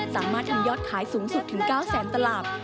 สามารถทำยอดขายสูงสุดถึง๙แสนตลาด